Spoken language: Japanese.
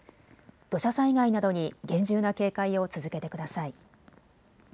土砂災害などに厳重な警戒を続けてください。